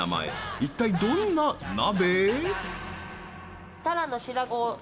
一体どんな鍋？